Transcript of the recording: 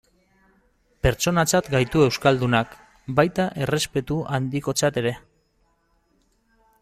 Pertsonatzat gaitu euskaldunak, baita errespetu handikotzat ere.